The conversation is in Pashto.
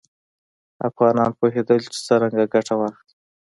افغانان پوهېدل چې څرنګه ګټه واخلي.